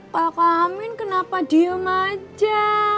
pak amin kenapa diem aja